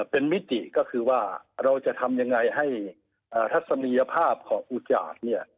เป็นมิติก็คือว่าเราจะทำยังไงให้ทัศนียภาพของอุจาตเนี่ย